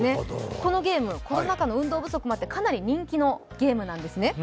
このゲーム、コロナ禍の運動不足もあって、かなり人気のゲームなんですね。